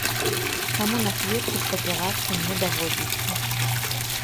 Таму на кветкі спадзявацца не даводзіцца.